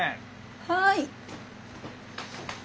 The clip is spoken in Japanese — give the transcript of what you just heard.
はい。